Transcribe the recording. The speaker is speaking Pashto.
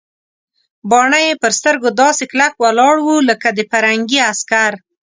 باڼه یې پر سترګو داسې کلک ولاړ ول لکه د پرنګي عسکر.